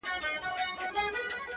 په مټي چي وكړه ژړا پر ځـنـگانــه؛